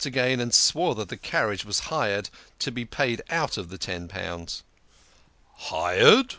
again, and swore that the carriage was hired, to be paid for out of the ten pounds. "Hired?"